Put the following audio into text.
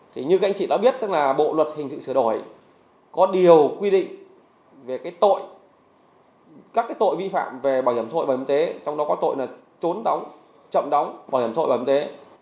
thì như các anh chị đã biết tức là bộ luật hình sự sửa đổi có điều quy định về cái tội các cái tội vi phạm về bảo hiểm thội và bảo hiểm tế trong đó có tội là trốn đóng chậm đóng bảo hiểm thội và bảo hiểm tế